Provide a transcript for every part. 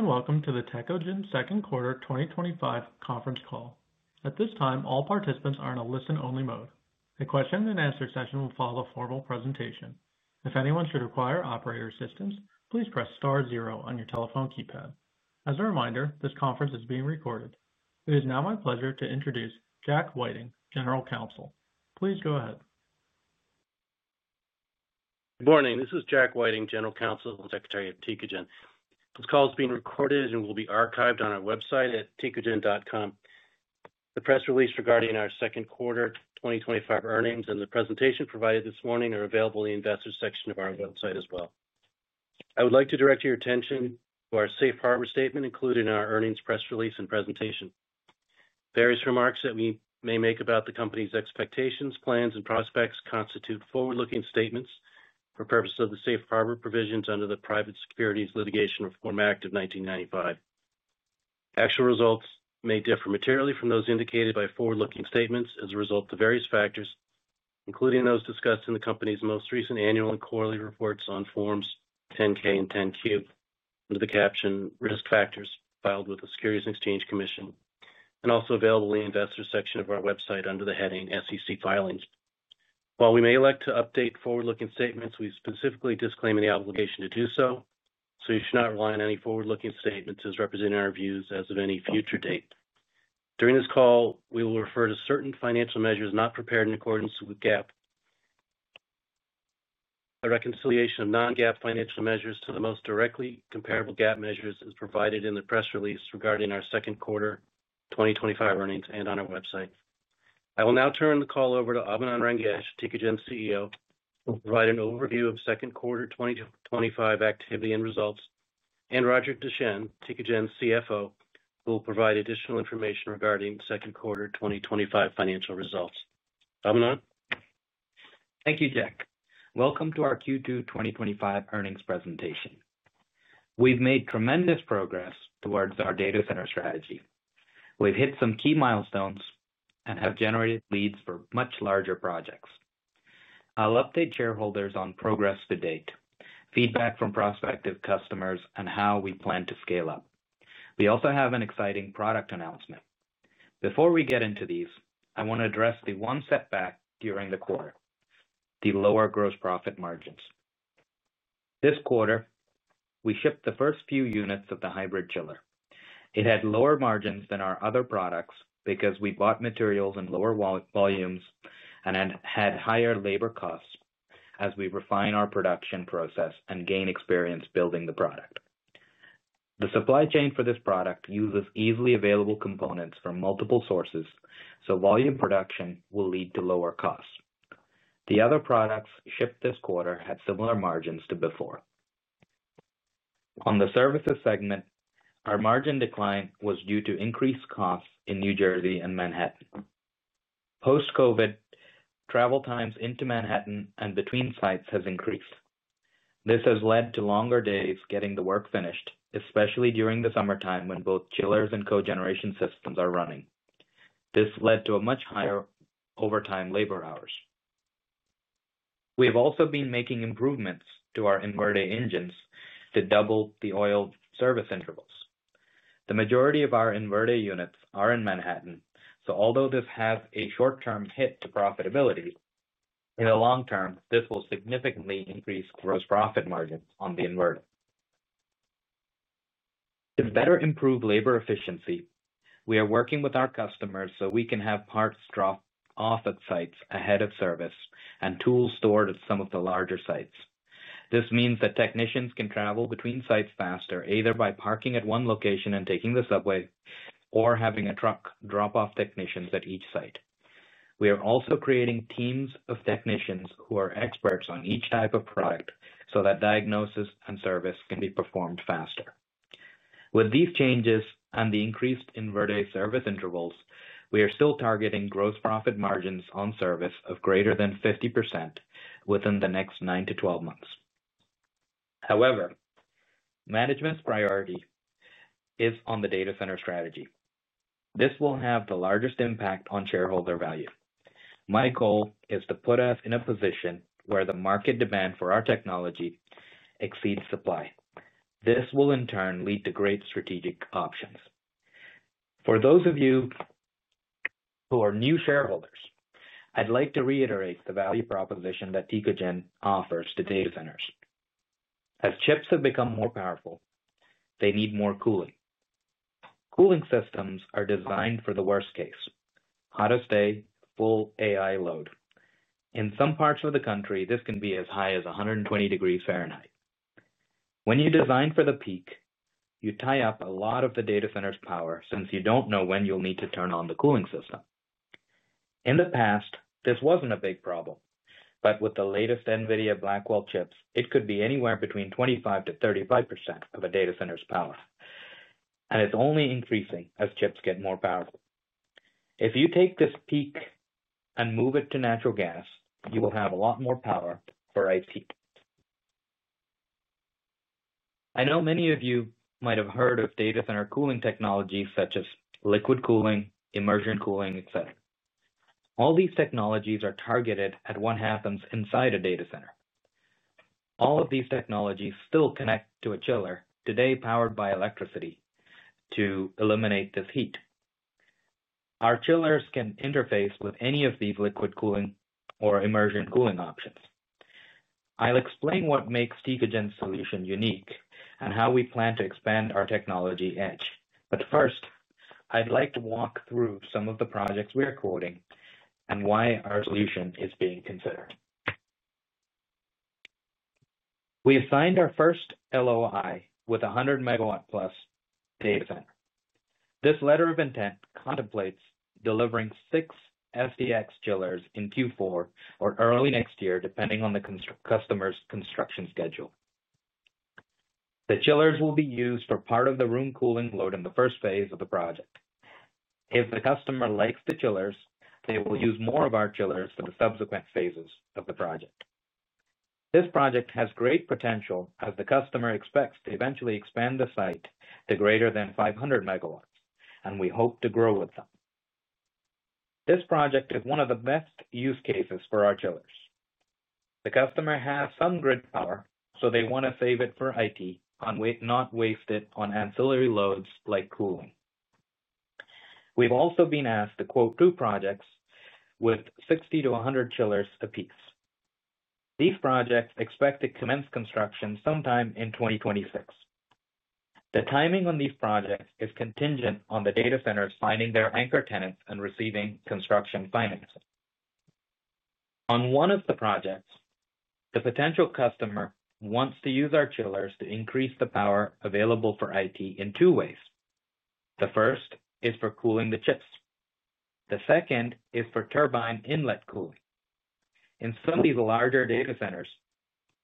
Welcome to the Tecogen second quarter 2025 conference call. At this time, all participants are in a listen-only mode. A question and answer session will follow a formal presentation. If anyone should require operator assistance, please press star zero on your telephone keypad. As a reminder, this conference is being recorded. It is now my pleasure to introduce Jack Whiting, General Counsel. Please go ahead. Good morning. This is Jack Whiting, General Counsel and Secretary of Tecogen. This call is being recorded and will be archived on our website at tecogen.com. The press release regarding our second quarter 2025 earnings and the presentation provided this morning are available in the investors section of our website as well. I would like to direct your attention to our Safe Harbor statement included in our earnings press release and presentation. Various remarks that we may make about the company's expectations, plans, and prospects constitute forward-looking statements for purposes of the Safe Harbor provisions under the Private Securities Litigation Reform Act of 1995. Actual results may differ materially from those indicated by forward-looking statements as a result of various factors, including those discussed in the company's most recent annual and quarterly reports on Forms 10-K and 10-Q under the caption Risk Factors filed with the Securities and Exchange Commission and also available in the investors section of our website under the heading SEC Filings. While we may elect to update forward-looking statements, we specifically disclaim the obligation to do so, so you should not rely on any forward-looking statements as representing our views as of any future date. During this call, we will refer to certain financial measures not prepared in accordance with GAAP. A reconciliation of non-GAAP financial measures to the most directly comparable GAAP measures is provided in the press release regarding our second quarter 2025 earnings and on our website. I will now turn the call over to Abinand Rangesh, Tecogen's CEO, who will provide an overview of second quarter 2025 activity and results, and Roger Deschenes, Tecogen's CFO, who will provide additional information regarding second quarter 2025 financial results. Abinand? Thank you, Jack. Welcome to our Q2 2025 earnings presentation. We've made tremendous progress towards our data center strategy. We've hit some key milestones and have generated leads for much larger projects. I'll update shareholders on progress to date, feedback from prospective customers, and how we plan to scale up. We also have an exciting product announcement. Before we get into these, I want to address the one setback during the quarter: the lower gross profit margins. This quarter, we shipped the first few units of the hybrid chiller. It had lower margins than our other products because we bought materials in lower volumes and had higher labor costs as we refine our production process and gain experience building the product. The supply chain for this product uses easily available components from multiple sources, so volume production will lead to lower costs. The other products shipped this quarter had similar margins to before. On the services segment, our margin decline was due to increased costs in New Jersey and Manhattan. Post-COVID, travel times into Manhattan and between sites have increased. This has led to longer days getting the work finished, especially during the summertime when both chillers and cogeneration systems are running. This led to much higher overtime labor hours. We've also been making improvements to our inverter engines to double the oil service intervals. The majority of our inverter units are in Manhattan, so although this has a short-term hit to profitability, in the long term, this will significantly increase gross profit margins on the inverter. To better improve labor efficiency, we are working with our customers so we can have parts dropped off at sites ahead of service and tools stored at some of the larger sites. This means that technicians can travel between sites faster, either by parking at one location and taking the subway, or having a truck drop off technicians at each site. We are also creating teams of technicians who are experts on each type of product so that diagnosis and service can be performed faster. With these changes and the increased inverter service intervals, we are still targeting gross profit margins on service of greater than 50% within the next 9 to 12 months. However, management's priority is on the data center strategy. This will have the largest impact on shareholder value. My goal is to put us in a position where the market demand for our technology exceeds supply. This will in turn lead to great strategic options. For those of you who are new shareholders, I'd like to reiterate the value proposition that Tecogen offers to data centers. As chips have become more powerful, they need more cooling. Cooling systems are designed for the worst case: hottest day, full AI load. In some parts of the country, this can be as high as 120 degrees Fahrenheit. When you design for the peak, you tie up a lot of the data center's power since you don't know when you'll need to turn on the cooling system. In the past, this wasn't a big problem, but with the latest NVIDIA Blackwell chips, it could be anywhere between 25% to 35% of a data center's power. It's only increasing as chips get more powerful. If you take this peak and move it to natural gas, you will have a lot more power for IT. I know many of you might have heard of data center cooling technologies such as liquid cooling, immersion cooling, etc. All these technologies are targeted at what happens inside a data center. All of these technologies still connect to a chiller today powered by electricity to eliminate this heat. Our chillers can interface with any of these liquid cooling or immersion cooling options. I'll explain what makes Tecogen's solution unique and how we plan to expand our technology edge. First, I'd like to walk through some of the projects we are quoting and why our solution is being considered. We have signed our first LOI with a 100+ MW data center. This letter of intent contemplates delivering six FDX chillers in Q4 or early next year, depending on the customer's construction schedule. The chillers will be used for part of the room cooling load in the first phase of the project. If the customer likes the chillers, they will use more of our chillers for the subsequent phases of the project. This project has great potential as the customer expects to eventually expand the site to greater than 500 MW, and we hope to grow with them. This project is one of the best use cases for our chillers. The customer has some grid power, so they want to save it for IT and not waste it on ancillary loads like cooling. We've also been asked to quote two projects with 60 to 100 chillers apiece. These projects expect to commence construction sometime in 2026. The timing on these projects is contingent on the data centers finding their anchor tenants and receiving construction financing. On one of the projects, the potential customer wants to use our chillers to increase the power available for IT in two ways. The first is for cooling the chips. The second is for turbine inlet cooling. In some of these larger data centers,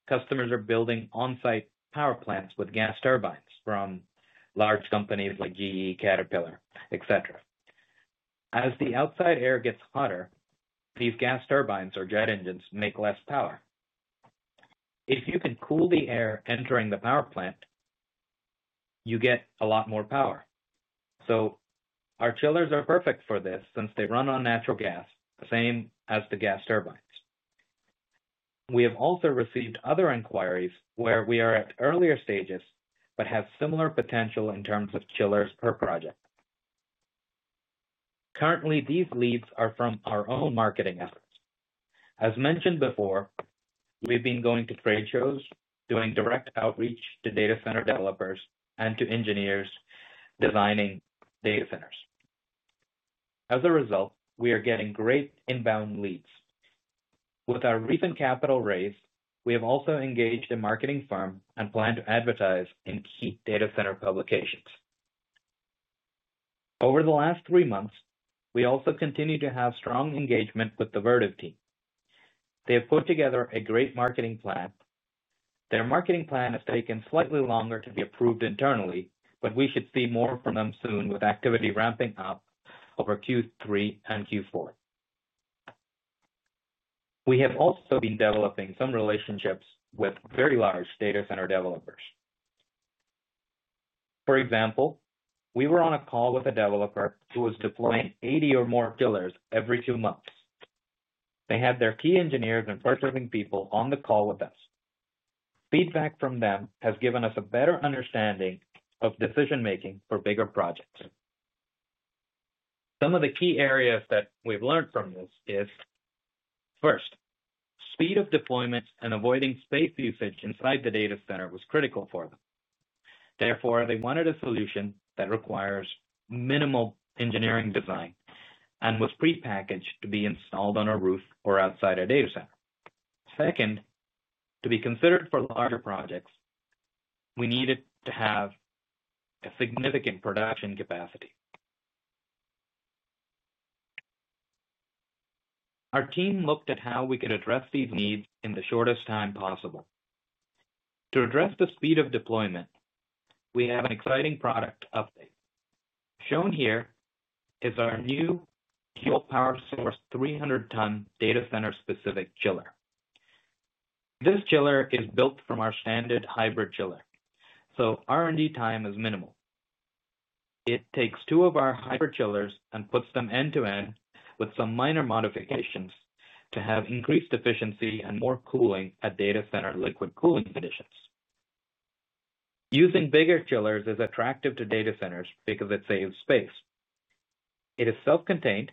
customers are building on-site power plants with gas turbines from large companies like GE, Caterpillar, etc. As the outside air gets hotter, these gas turbines or jet engines make less power. If you can cool the air entering the power plant, you get a lot more power. Our chillers are perfect for this since they run on natural gas, the same as the gas turbines. We have also received other inquiries where we are at earlier stages but have similar potential in terms of chillers per project. Currently, these leads are from our own marketing efforts. As mentioned before, we've been going to trade shows, doing direct outreach to data center developers, and to engineers designing data centers. As a result, we are getting great inbound leads. With our recent capital raise, we have also engaged a marketing firm and plan to advertise in key data center publications. Over the last three months, we also continue to have strong engagement with the Vertiv team. They have put together a great marketing plan. Their marketing plan has taken slightly longer to be approved internally, but we should see more from them soon with activity ramping up over Q3 and Q4. We have also been developing some relationships with very large data center developers. For example, we were on a call with a developer who was deploying 80 or more chillers every two months. They had their key engineers and purchasing people on the call with us. Feedback from them has given us a better understanding of decision-making for bigger projects. Some of the key areas that we've learned from this are: first, speed of deployment and avoiding space usage inside the data center was critical for them. Therefore, they wanted a solution that requires minimal engineering design and was prepackaged to be installed on a roof or outside a data center. Second, to be considered for larger projects, we needed to have a significant production capacity. Our team looked at how we could address these needs in the shortest time possible. To address the speed of deployment, we have an exciting product update. Shown here is our new dual power source 300-ton data center-specific chiller. This chiller is built from our standard hybrid chiller, so R&D time is minimal. It takes two of our hybrid chillers and puts them end-to-end with some minor modifications to have increased efficiency and more cooling at data center liquid cooling conditions. Using bigger chillers is attractive to data centers because it saves space. It is self-contained,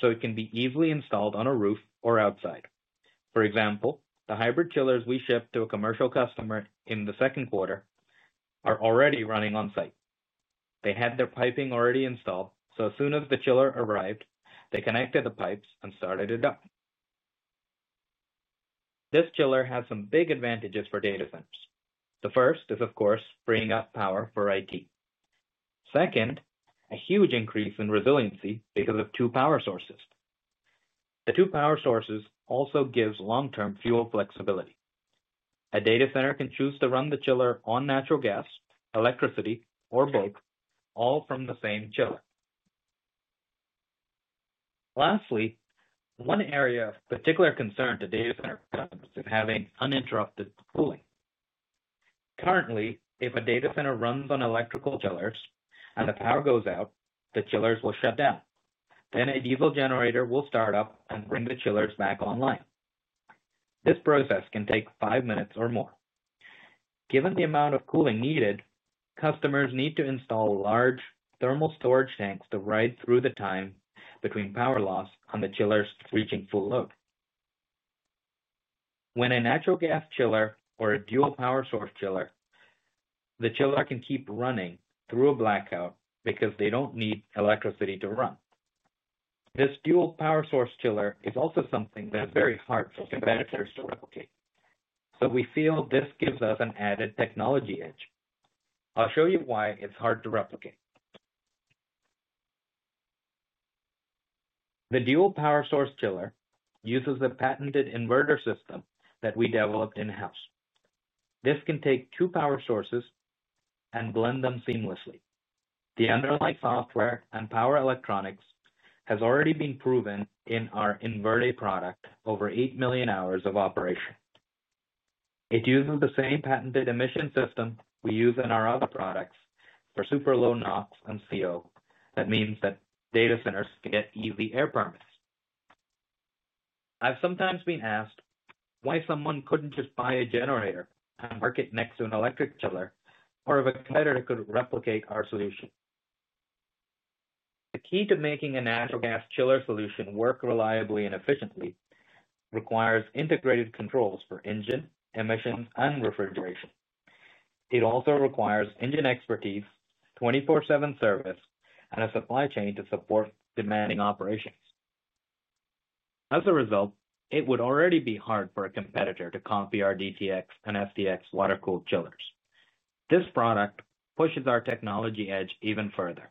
so it can be easily installed on a roof or outside. For example, the hybrid chillers we shipped to a commercial customer in the second quarter are already running on site. They had their piping already installed, so as soon as the chiller arrived, they connected the pipes and started to duct. This chiller has some big advantages for data centers. The first is, of course, freeing up power for IT. Second, a huge increase in resiliency because of two power sources. The two power sources also give long-term fuel flexibility. A data center can choose to run the chiller on natural gas, electricity, or both, all from the same chiller. Lastly, one area of particular concern to data center customers is having uninterrupted cooling. Currently, if a data center runs on electrical chillers and the power goes out, the chillers will shut down. A diesel generator will start up and bring the chillers back online. This process can take five minutes or more. Given the amount of cooling needed, customers need to install large thermal storage tanks to ride through the time between power loss and the chillers reaching full load. When a natural gas chiller or a dual power source chiller, the chiller can keep running through a blackout because they don't need electricity to run. This dual power source chiller is also something that's very hard for competitors to replicate, but we feel this gives us an added technology edge. I'll show you why it's hard to replicate. The dual power source chiller uses a patented inverter system that we developed in-house. This can take two power sources and blend them seamlessly. The underlying software and power electronics have already been proven in our inverter product over 8 million hours of operation. It uses the same patented emission system we use in our other products for super low NOx and CO. That means that data centers get easy air permits. I've sometimes been asked why someone couldn't just buy a generator and work it next to an electric chiller or if a competitor could replicate our solution. The key to making a natural gas chiller solution work reliably and efficiently requires integrated controls for engine, emissions, and refrigeration. It also requires engine expertise, 24/7 service, and a supply chain to support demanding operations. As a result, it would already be hard for a competitor to copy our DTX and SDX water-cooled chillers. This product pushes our technology edge even further.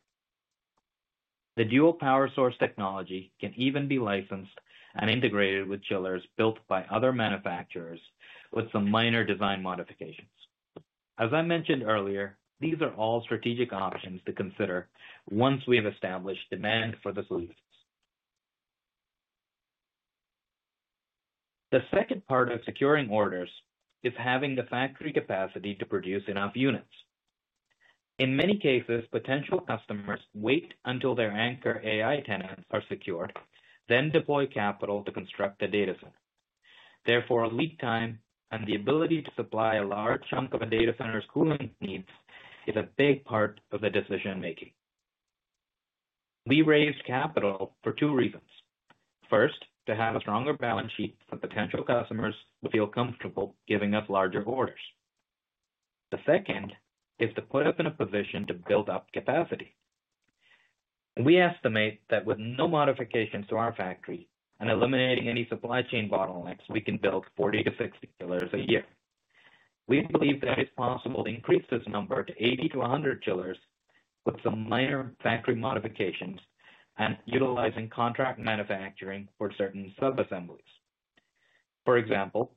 The dual power source technology can even be licensed and integrated with chillers built by other manufacturers with some minor design modifications. As I mentioned earlier, these are all strategic options to consider once we've established demand for the solutions. The second part of securing orders is having the factory capacity to produce enough units. In many cases, potential customers wait until their anchor AI tenants are secure, then deploy capital to construct the data center. Therefore, lead time and the ability to supply a large chunk of a data center's cooling needs is a big part of the decision-making. We raised capital for two reasons. First, to have a stronger balance sheet for potential customers who feel comfortable giving us larger orders. The second is to put us in a position to build up capacity. We estimate that with no modifications to our factory and eliminating any supply chain bottlenecks, we can build 40 to 60 chillers a year. We believe that it's possible to increase this number to 80 to 100 chillers with some minor factory modifications and utilizing contract manufacturing for certain subassemblies. For example,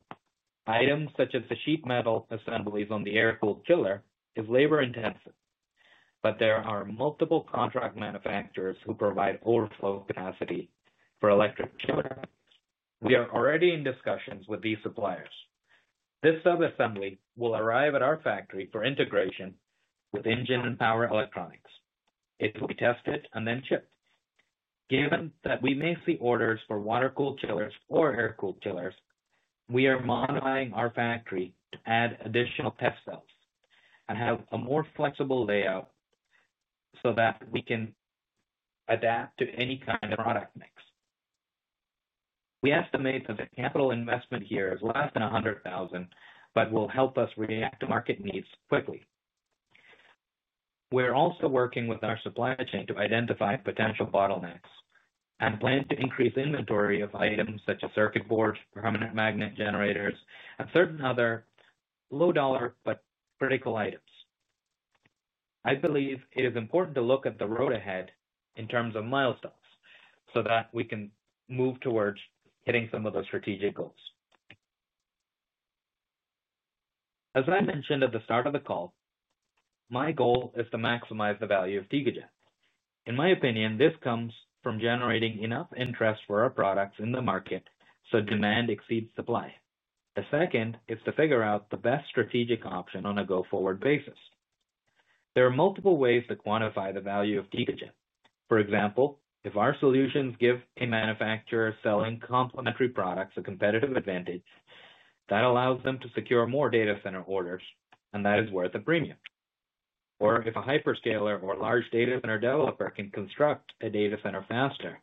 items such as the sheet metal assemblies on the air-cooled chiller are labor-intensive, but there are multiple contract manufacturers who provide overflow capacity for electric chillers. We are already in discussions with these suppliers. This subassembly will arrive at our factory for integration with engine and power electronics. It will be tested and then shipped. Given that we may see orders for water-cooled chillers or air-cooled chillers, we are modifying our factory to add additional test cells and have a more flexible layout so that we can adapt to any kind of product mix. We estimate that the capital investment here is less than $100,000, but will help us react to market needs quickly. We're also working with our supply chain to identify potential bottlenecks and plan to increase inventory of items such as circuit boards, permanent magnet generators, and certain other low-dollar but critical items. I believe it is important to look at the road ahead in terms of milestones so that we can move towards hitting some of those strategic goals. As I mentioned at the start of the call, my goal is to maximize the value of Tecogen. In my opinion, this comes from generating enough interest for our products in the market so demand exceeds supply. The second is to figure out the best strategic option on a go-forward basis. There are multiple ways to quantify the value of Tecogen. For example, if our solutions give a manufacturer selling complementary products a competitive advantage, that allows them to secure more data center orders, and that is worth a premium. If a hyperscaler or large data center developer can construct a data center faster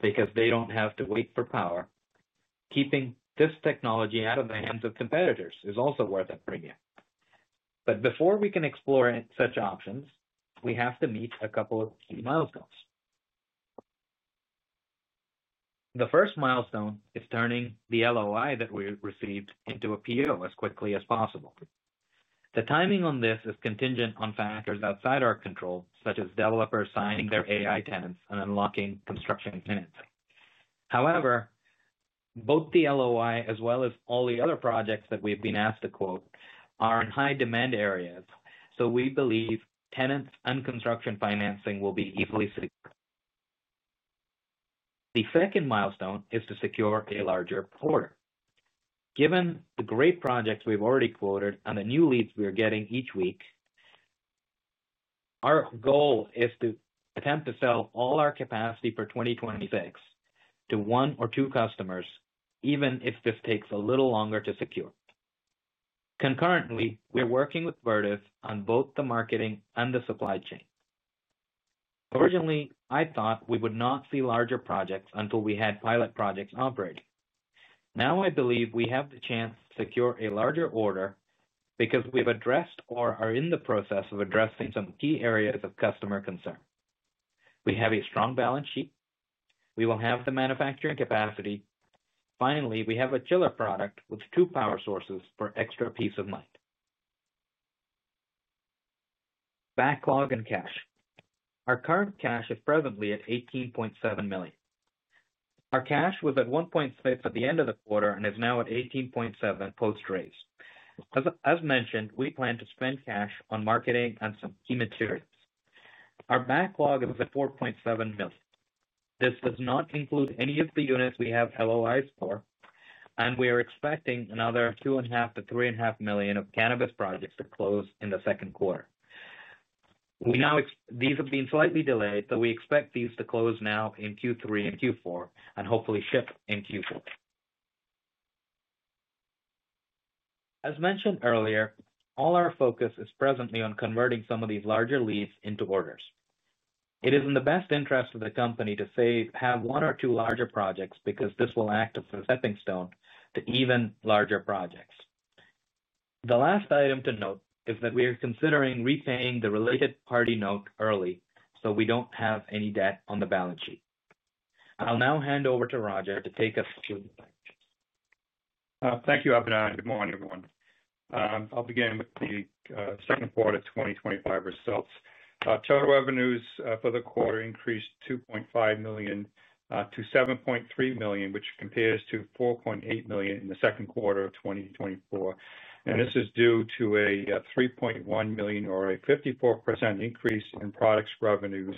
because they don't have to wait for power, keeping this technology out of the hands of competitors is also worth a premium. Before we can explore such options, we have to meet a couple of key milestones. The first milestone is turning the LOI that we received into a PO as quickly as possible. The timing on this is contingent on factors outside our control, such as developers signing their AI tenants and unlocking construction financing. However, both the LOI as well as all the other projects that we've been asked to quote are in high-demand areas, so we believe tenant and construction financing will be equally secure. The second milestone is to secure a larger order. Given the great projects we've already quoted and the new leads we are getting each week, our goal is to attempt to sell all our capacity for 2026 to one or two customers, even if this takes a little longer to secure. Concurrently, we're working with Vertiv on both the marketing and the supply chain. Originally, I thought we would not see larger projects until we had pilot projects operating. Now I believe we have the chance to secure a larger order because we've addressed or are in the process of addressing some key areas of customer concern. We have a strong balance sheet. We will have the manufacturing capacity. Finally, we have a chiller product with two power sources for extra peace of mind. Backlog and cash. Our current cash is presently at $18.7 million. Our cash was at $1.6 million at the end of the quarter and is now at $18.7 million post-raise. As mentioned, we plan to spend cash on marketing and some key materials. Our backlog is at $4.7 million. This does not include any of the units we have LOIs for, and we are expecting another $2.5-$3.5 million of cannabis projects to close in the second quarter. We now expect these have been slightly delayed, but we expect these to close now in Q3 and Q4 and hopefully ship in Q4. As mentioned earlier, all our focus is presently on converting some of these larger leads into orders. It is in the best interest of the company to save one or two larger projects, because this will act as a stepping stone to even larger projects. The last item to note is that we are considering repaying the related party note early so we don't have any debt on the balance sheet. I'll now hand over to Roger to take us through the plan. Thank you, Abinand. Good morning, everyone. I'll begin with the second quarter 2025 results. Total revenues for the quarter increased $2.5 million to $7.3 million, which compares to $4.8 million in the second quarter of 2024. This is due to a $3.1 million or a 54% increase in products revenues,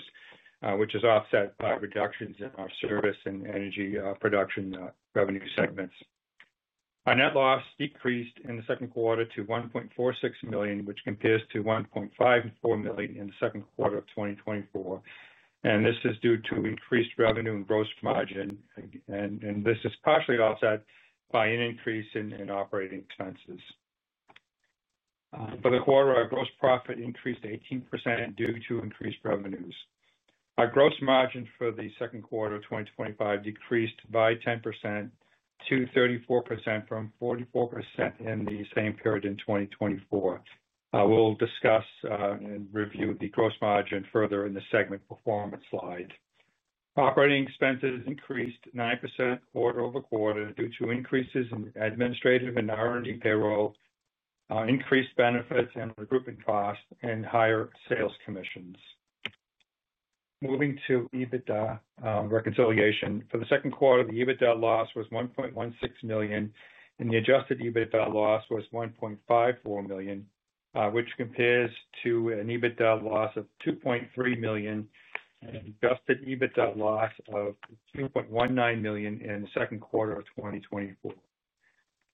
which is offset by reductions in our service and energy production revenue segments. Our net loss decreased in the second quarter to $1.46 million, which compares to $1.54 million in the second quarter of 2024. This is due to increased revenue and gross margin. This is partially offset by an increase in operating expenses. For the quarter, our gross profit increased 18% due to increased revenues. Our gross margins for the second quarter of 2025 decreased by 10% to 34% from 44% in the same period in 2024. We'll discuss and review the gross margin further in the segment performance slide. Operating expenses increased 9% quarter-over-quarter due to increases in the administrative and R&D payroll, increased benefits and recruitment costs, and higher sales commissions. Moving to EBITDA reconciliation, for the second quarter, the EBITDA loss was $1.16 million and the adjusted EBITDA loss was $1.54 million, which compares to an EBITDA loss of $2.3 million and an adjusted EBITDA loss of $2.19 million in the second quarter of 2024.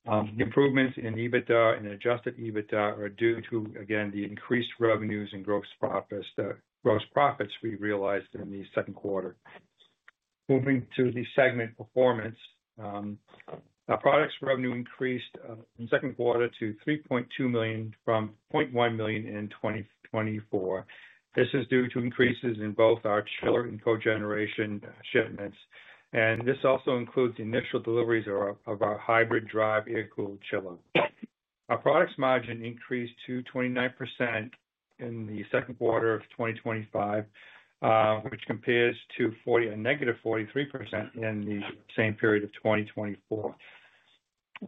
The improvements in EBITDA and adjusted EBITDA are due to, again, the increased revenues and gross profits we realized in the second quarter. Moving to the segment performance, our products revenue increased in the second quarter to $3.2 million from $0.1 million in 2024. This is due to increases in both our chiller and cogeneration shipments, and this also includes the initial deliveries of our hybrid drive air-cooled chiller. Our products margin increased to 29% in the second quarter of 2025, which compares to -43% in the same period of 2024.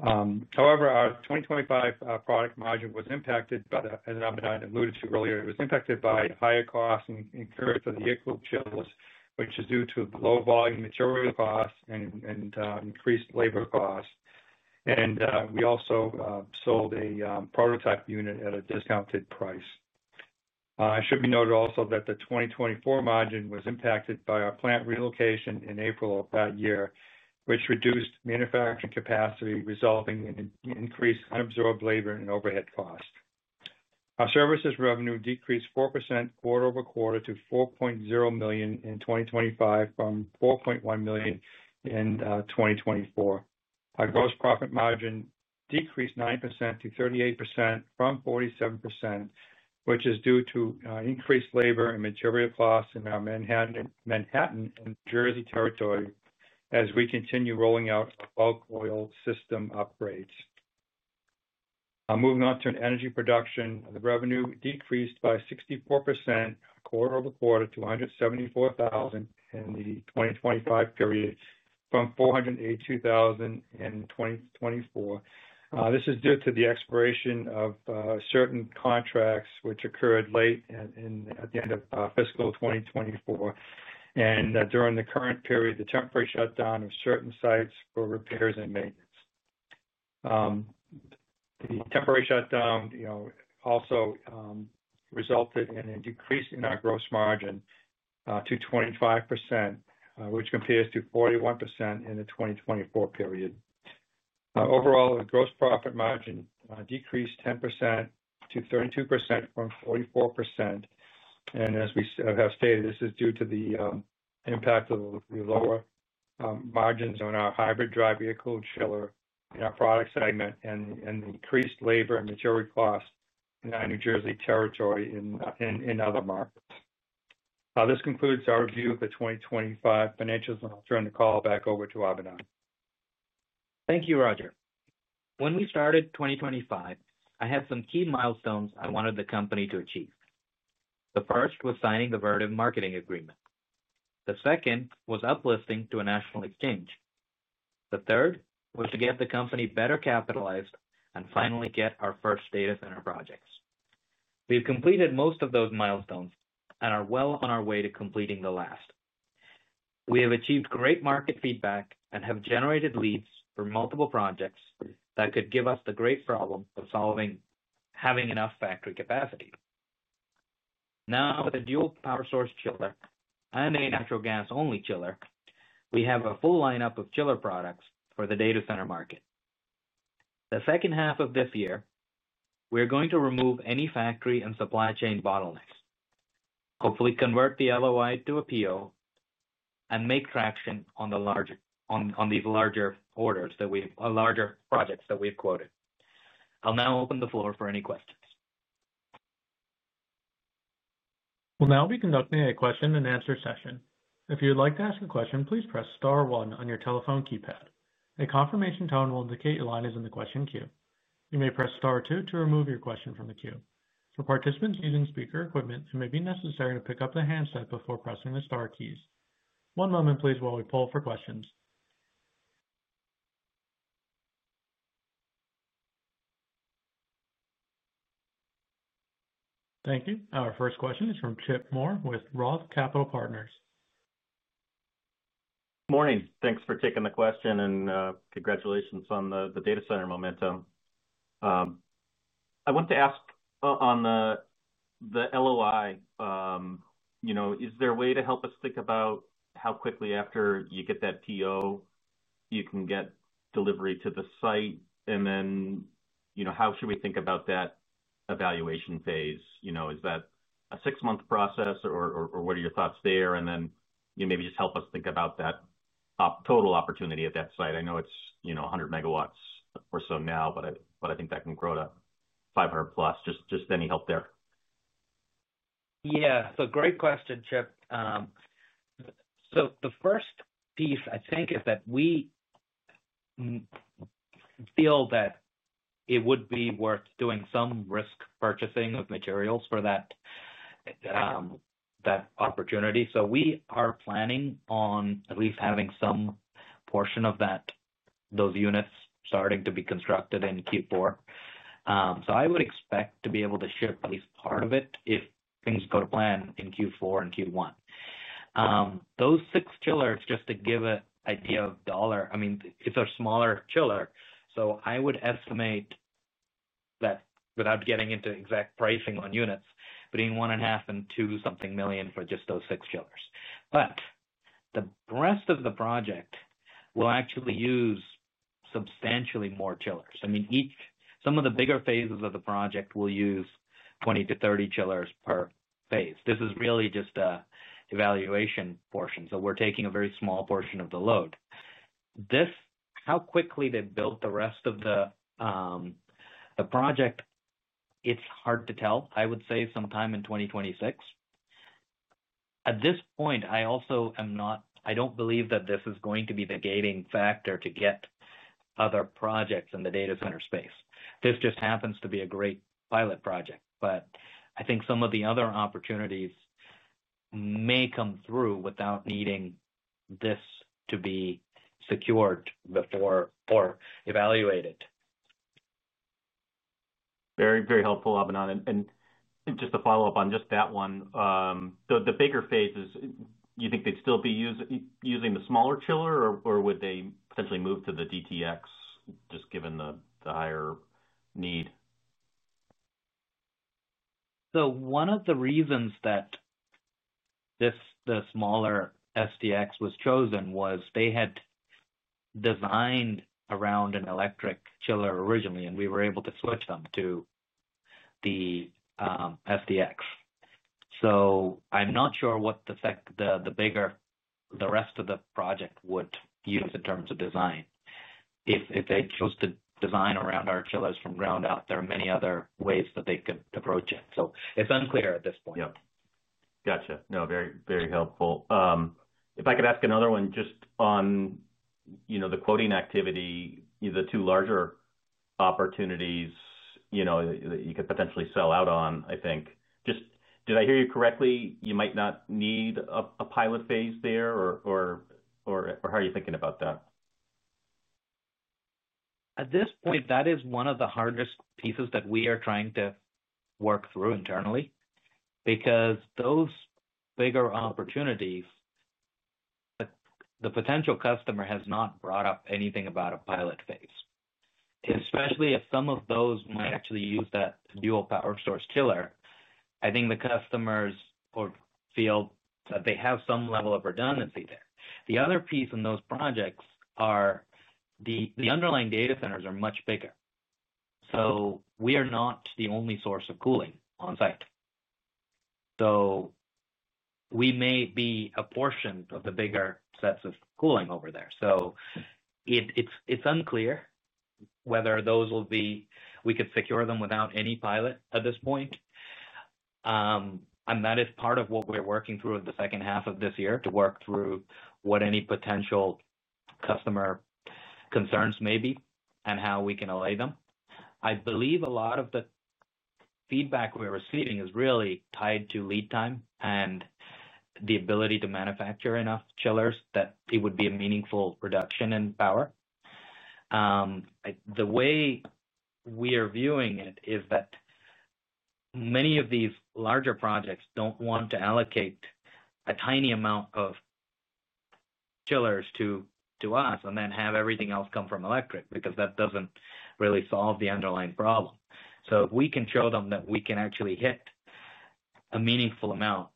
However, our 2025 product margin was impacted by, as Abinand alluded to earlier, it was impacted by higher costs and increase of the air-cooled chillers, which is due to low volume material costs and increased labor costs. We also sold a prototype unit at a discounted price. It should be noted also that the 2024 margin was impacted by our plant relocation in April of that year, which reduced manufacturing capacity, resolving the increased unabsorbed labor and overhead costs. Our services revenue decreased 4% quarter-over-quarter to $4.0 million in 2025 from $4.1 million in 2024. Our gross profit margin decreased 9% to 38% from 47%, which is due to increased labor and material costs in our Manhattan and New Jersey territory as we continue rolling out the bulk oil system upgrades. Moving on to energy production, the revenue decreased by 64% quarter-over-quarter to $174,000 in the 2025 period from $482,000 in 2024. This is due to the expiration of certain contracts which occurred late at the end of fiscal 2024, and during the current period, the temporary shutdown of certain sites for repairs and maintenance. The temporary shutdown also resulted in a decrease in our gross margin to 25%, which compares to 41% in the 2024 period. Overall, the gross profit margin decreased 10% to 32% from 44%. As we have stated, this is due to the impact of the lower margins on our hybrid drive air-cooled chiller in our product segment and the increased labor and material costs in our New Jersey territory and in other markets. This concludes our review of the 2025 financials, and I'll turn the call back over to Abinand. Thank you, Roger. When we started 2025, I had some key milestones I wanted the company to achieve. The first was signing the Vertiv marketing agreement. The second was uplisting to a national exchange. The third was to get the company better capitalized and finally get our first data center projects. We've completed most of those milestones and are well on our way to completing the last. We have achieved great market feedback and have generated leads for multiple projects that could give us the great problem of having enough factory capacity. Now, with a dual power source chiller and a natural gas-only chiller, we have a full lineup of chiller products for the data center market. The second half of this year, we're going to remove any factory and supply chain bottlenecks, hopefully convert the LOI to a PO, and make traction on these larger projects that we've quoted. I'll now open the floor for any questions. will now be conducting a question and answer session. If you would like to ask a question, please press star one on your telephone keypad. A confirmation tone will indicate your line is in the question queue. You may press star two to remove your question from the queue. For participants using speaker equipment, it may be necessary to pick up the handset before pressing the star keys. One moment, please, while we poll for questions. Thank you. Our first question is from Chip Moore with ROTH Capital Partners. Morning. Thanks for taking the question and congratulations on the data center momentum. I want to ask on the LOI. Is there a way to help us think about how quickly after you get that PO you can get delivery to the site? How should we think about that evaluation phase? Is that a six-month process or what are your thoughts there? Maybe just help us think about that total opportunity at that site. I know it's 100 MW or so now, but I think that can grow to 500+. Any help there? Yeah, great question, Chip. The first piece I think is that we feel it would be worth doing some risk purchasing of materials for that opportunity. We are planning on at least having some portion of those units starting to be constructed in Q4. I would expect to be able to ship at least part of it if things go to plan in Q4 and Q1. Those six chillers, just to give an idea of dollar, I mean, it's a smaller chiller. I would estimate that without getting into exact pricing on units, between $1.5 million and $2 million for just those six chillers. The rest of the project will actually use substantially more chillers. Some of the bigger phases of the project will use 20 to 30 chillers per phase. This is really just an evaluation portion. We're taking a very small portion of the load. How quickly they build the rest of the project, it's hard to tell. I would say sometime in 2026. At this point, I also am not, I don't believe that this is going to be the gating factor to get other projects in the data center space. This just happens to be a great pilot project, but I think some of the other opportunities may come through without needing this to be secured before or evaluated. Very, very helpful, Abinand. Just to follow up on just that one, the bigger phases, you think they'd still be using the smaller chiller, or would they potentially move to the DTX just given the higher need? One of the reasons that the smaller SDX was chosen was they had designed around an electric chiller originally, and we were able to switch them to the SDX. I'm not sure what the bigger, the rest of the project would use in terms of design. If they chose to design around our chillers from ground up, there are many other ways that they could approach it. It's unclear at this point. Gotcha. No, very, very helpful. If I could ask another one just on the quoting activity, the two larger opportunities that you could potentially sell out on, I think. Did I hear you correctly? You might not need a pilot phase there, or how are you thinking about that? At this point, that is one of the hardest pieces that we are trying to work through internally because those bigger opportunities, the potential customer has not brought up anything about a pilot phase, especially if some of those might actually use that dual power source chiller. I think the customers feel that they have some level of redundancy there. The other piece in those projects is the underlying data centers are much bigger. We are not the only source of cooling on site. We may be a portion of the bigger sets of cooling over there. It is unclear whether we could secure them without any pilot at this point. That is part of what we're working through in the second half of this year to work through what any potential customer concerns may be and how we can allay them. I believe a lot of the feedback we're receiving is really tied to lead time and the ability to manufacture enough chillers that it would be a meaningful reduction in power. The way we are viewing it is that many of these larger projects don't want to allocate a tiny amount of chillers to us and then have everything else come from electricity because that doesn't really solve the underlying problem. If we can show them that we can actually hit a meaningful amount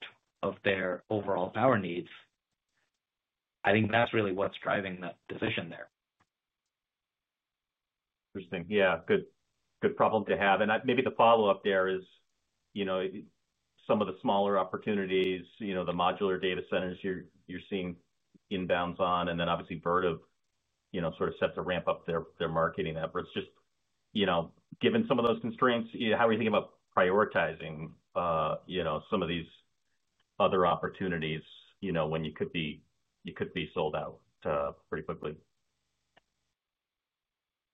of their overall power needs, I think that's really what's driving that decision there. Interesting. Yeah, good problem to have. Maybe the follow-up there is, you know, some of the smaller opportunities, the modular data centers you're seeing inbounds on, and then obviously Vertiv sets a ramp up their marketing efforts. Just given some of those constraints, how are you thinking about prioritizing some of these other opportunities, you know, when you could be, you could be sold out pretty quickly?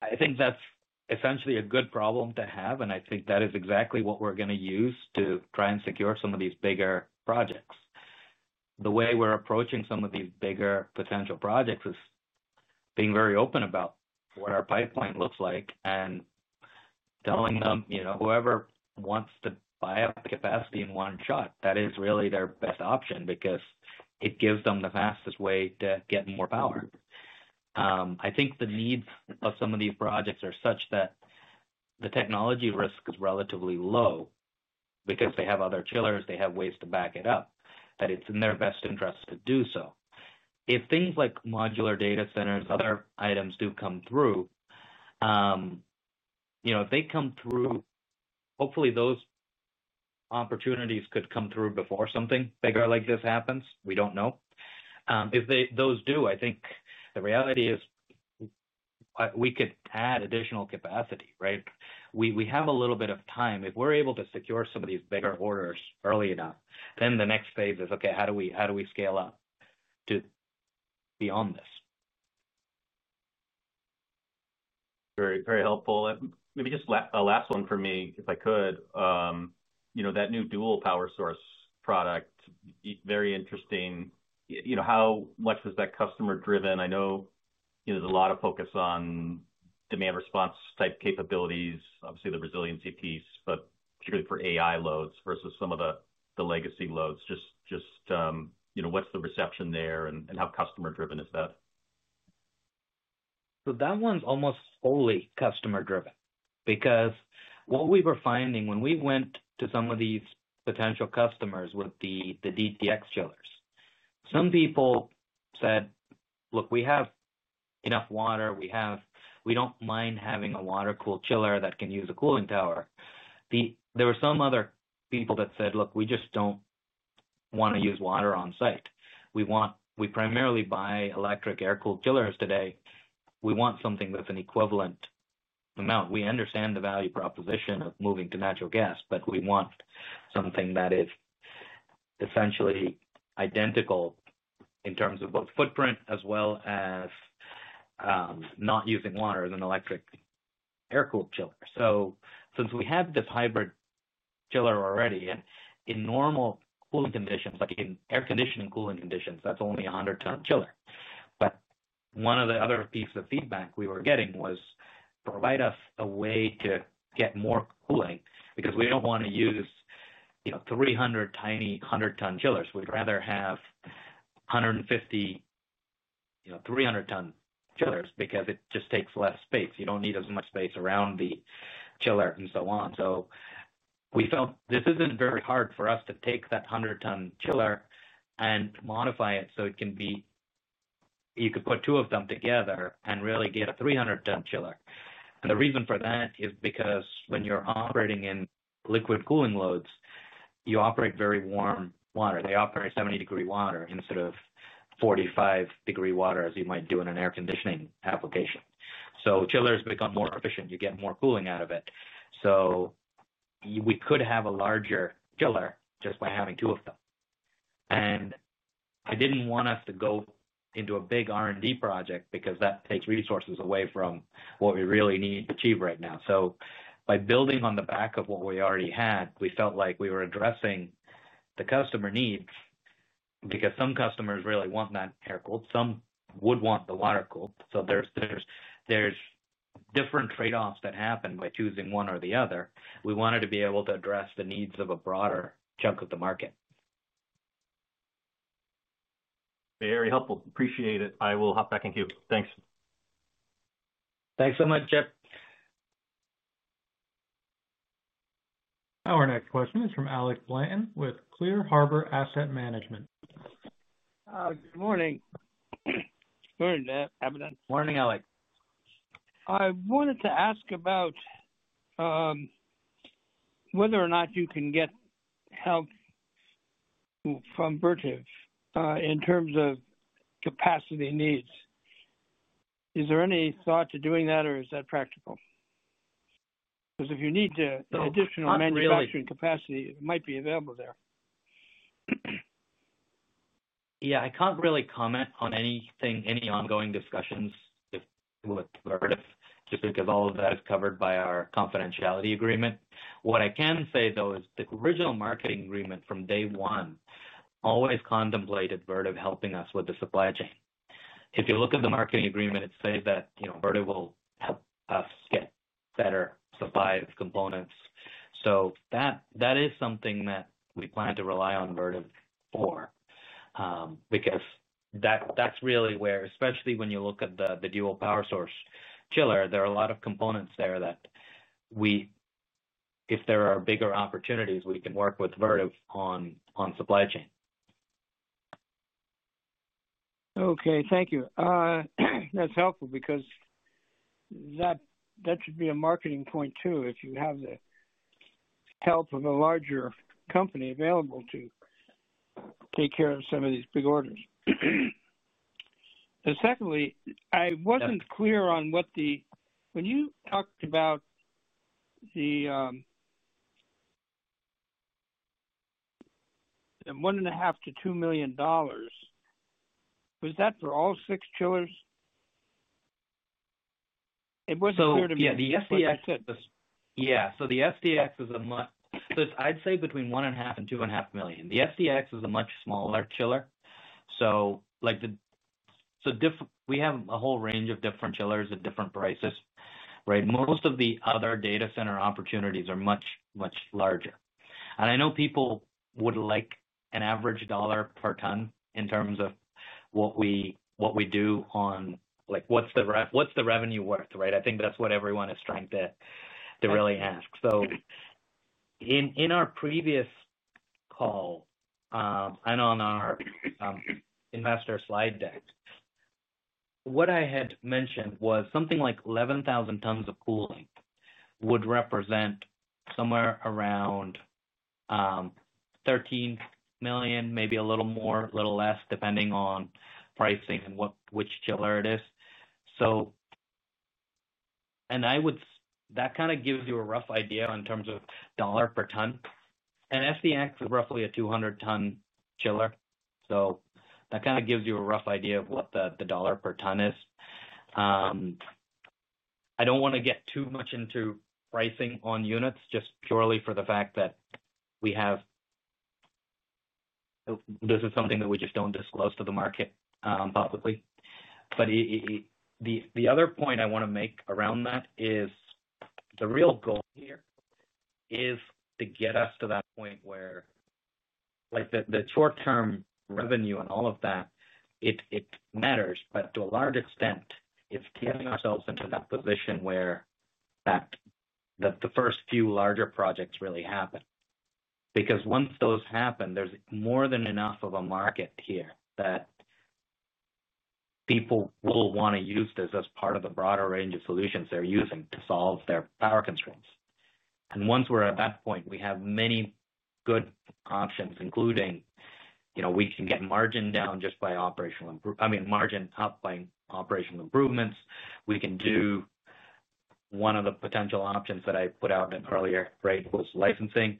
I think that's essentially a good problem to have, and I think that is exactly what we're going to use to try and secure some of these bigger projects. The way we're approaching some of these bigger potential projects is being very open about what our pipeline looks like and telling them, you know, whoever wants to buy up capacity in one shot, that is really their best option because it gives them the fastest way to get more power. I think the needs of some of these projects are such that the technology risk is relatively low because they have other chillers, they have ways to back it up, that it's in their best interest to do so. If things like modular data centers, other items do come through, you know, if they come through, hopefully those opportunities could come through before something bigger like this happens. We don't know. If those do, I think the reality is we could add additional capacity, right? We have a little bit of time. If we're able to secure some of these bigger orders early enough, then the next phase is, okay, how do we scale up to beyond this? Very, very helpful. Maybe just a last one for me, if I could. You know, that new dual power source product, very interesting. How much is that customer-driven? I know there's a lot of focus on demand response type capabilities, obviously the resiliency piece, but particularly for AI loads versus some of the legacy loads. Just, you know, what's the reception there and how customer-driven is that? That one's almost fully customer-driven because what we were finding when we went to some of these potential customers with the DTX chillers, some people said, look, we have enough water. We don't mind having a water-cooled chiller that can use a cooling tower. There were some other people that said, look, we just don't want to use water on site. We primarily buy electric air-cooled chillers today. We want something with an equivalent amount. We understand the value proposition of moving to natural gas, but we want something that is essentially identical in terms of both footprint as well as not using water as an electric air-cooled chiller. Since we have this hybrid chiller already, and in normal cooling conditions, like in air conditioning cooling conditions, that's only a 100-ton chiller. One of the other pieces of feedback we were getting was, provide us a way to get more cooling because we don't want to use 300 tiny 100-ton chillers. We'd rather have 150-ton, 300-ton chillers because it just takes less space. You don't need as much space around the chiller and so on. We felt this isn't very hard for us to take that 100-ton chiller and modify it so it can be, you could put two of them together and really get a 300-ton chiller. The reason for that is because when you're operating in liquid cooling loads, you operate very warm water. They operate 70-degree water instead of 45-degree water as you might do in an air conditioning application. Chillers become more efficient. You get more cooling out of it. We could have a larger chiller just by having two of them. I didn't want us to go into a big R&D project because that takes resources away from what we really need to achieve right now. By building on the back of what we already had, we felt like we were addressing the customer needs because some customers really want that air-cooled, some would want the water-cooled. There are different trade-offs that happen by choosing one or the other. We wanted to be able to address the needs of a broader chunk of the market. Very helpful. Appreciate it. I will hop back in queue. Thanks. Thanks so much, Chip. Our next question is from Alex Blanton with Clear Harbor Asset Management. Alex, good morning. Morning, Abinand. Morning, Alex. I wanted to ask about whether or not you can get help from Vertiv in terms of capacity needs. Is there any thought to doing that or is that practical? If you need additional manufacturing capacity, it might be available there. Yeah, I can't really comment on anything, any ongoing discussions with Vertiv just because all of that is covered by our confidentiality agreement. What I can say, though, is the original marketing agreement from day one always contemplated Vertiv helping us with the supply chain. If you look at the marketing agreement, it says that, you know, Vertiv will help us get better supplied components. That is something that we plan to rely on Vertiv for because that's really where, especially when you look at the dual power source chiller, there are a lot of components there that we, if there are bigger opportunities, we can work with Vertiv on supply chain. Okay, thank you. That's helpful because that should be a marketing point too if you have the help of a larger company available to take care of some of these big orders. Secondly, I wasn't clear on what the, when you talked about the $1.5 million-$2 million, was that for all six chillers? It wasn't clear to me. Yeah, the SDX is, yeah, the SDX is a much, it's, I'd say between $1.5 million and $2.5 million. The SDX is a much smaller chiller. We have a whole range of different chillers at different prices, right? Most of the other data center opportunities are much, much larger. I know people would like an average dollar per ton in terms of what we do on, like, what's the revenue worth, right? I think that's what everyone is trying to really ask. In our previous call, and on our investor slide deck, what I had mentioned was something like 11,000 tons of cooling would represent somewhere around $13 million, maybe a little more, a little less, depending on pricing and which chiller it is. That kind of gives you a rough idea in terms of dollar per ton. SDX is roughly a 200-ton chiller. That kind of gives you a rough idea of what the dollar per ton is. I don't want to get too much into pricing on units just purely for the fact that we have, this is something that we just don't disclose to the market publicly. The other point I want to make around that is the real goal here is to get us to that point where, like, the short-term revenue and all of that, it matters, but to a large extent, it's getting ourselves into that position where the first few larger projects really happen. Once those happen, there's more than enough of a market here that people will want to use this as part of the broader range of solutions they're using to solve their power constraints. Once we're at that point, we have many good options, including, you know, we can get margin down just by operational, I mean, margin up by operational improvements. One of the potential options that I put out earlier was licensing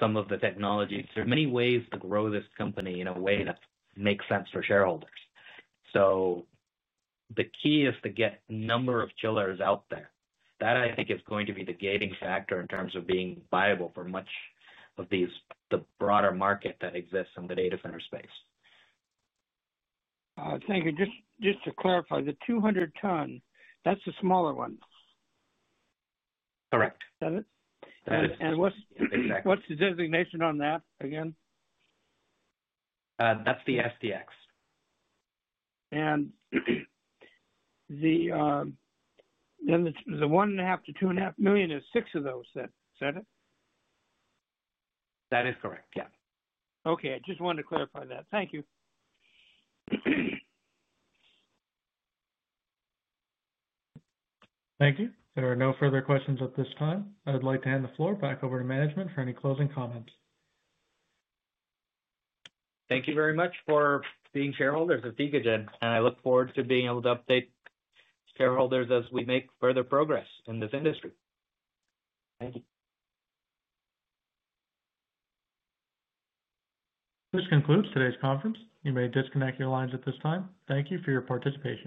some of the technologies. There are many ways to grow this company in a way that makes sense for shareholders. The key is to get a number of chillers out there. That I think is going to be the gating factor in terms of being viable for much of the broader market that exists in the data center space. Thank you. Just to clarify, the 200 ton, that's the smaller one. Correct. Does it? Yes. What's the designation on that again? That's the SDX. The $1.5 million-$2.5 million is six of those, is that it? That is correct, yeah. Okay, I just wanted to clarify that. Thank you. Thank you. There are no further questions at this time. I would like to hand the floor back over to management for any closing comments. Thank you very much for being shareholders of Tecogen, and I look forward to being able to update shareholders as we make further progress in this industry. Thank you. This concludes today's conference. You may disconnect your lines at this time. Thank you for your participation.